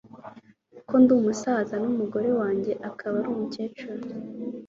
ko ndi umusaza n'umugore wanjye akaba ari umukecuru